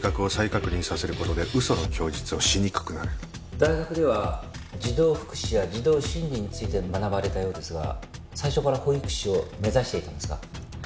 「大学では児童福祉や児童心理について学ばれたようですが最初から保育士を目指していたんですか？」